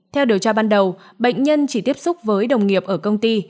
theo điều tra ban đầu bệnh nhân chỉ tiếp xúc với đồng nghiệp ở công ty